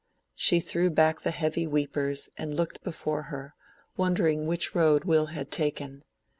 She threw back the heavy "weepers," and looked before her, wondering which road Will had taken.